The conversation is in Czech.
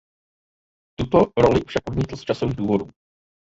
Tuto roli však odmítl z časových důvodů.